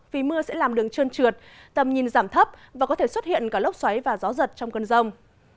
vì mưa sẽ làm đường trơn trượt tầm nhìn giảm thấp và có thể xuất hiện cả lốc xoáy và gió giật trong cơn rông